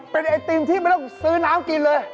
เป็นไอติมที่ไม่ต้องซื้อน้ำกินเลย